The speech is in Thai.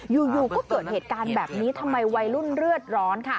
อยู่ก็เกิดเหตุการณ์แบบนี้ทำไมวัยรุ่นเลือดร้อนค่ะ